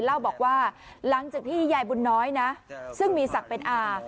เล่าบอกว่าหลังจากที่ยายบุญน้อยนะซึ่งมีศักดิ์เป็นอา